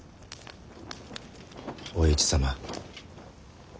お市様。